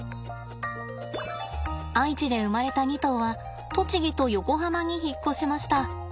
愛知で生まれた２頭は栃木と横浜に引っ越しました。